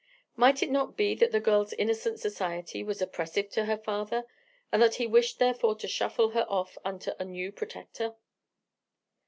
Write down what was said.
Might it not be that the girl's innocent society was oppressive to her father, and that he wished therefore to shuffle her off upon a new protector?